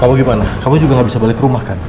kamu gimana kamu juga nggak bisa balik ke rumah kan